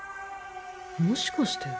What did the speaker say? もしかして